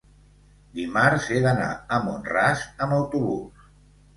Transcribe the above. dimarts he d'anar a Mont-ras amb autobús.